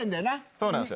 そうなんですよ。